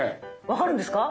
分かるんですか？